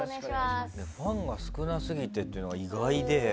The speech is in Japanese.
ファンが少なすぎてっていうのが意外で。